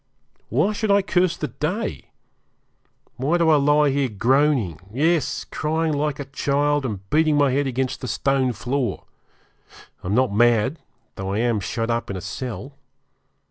Why should I curse the day? Why do I lie here, groaning; yes, crying like a child, and beating my head against the stone floor? I am not mad, though I am shut up in a cell.